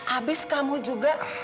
abis kamu juga